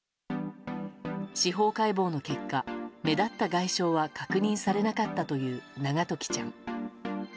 司法解剖の結果、目立った外傷は確認されなかったという永時ちゃん。